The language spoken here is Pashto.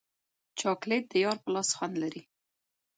چاکلېټ د یار په لاس خوند لري.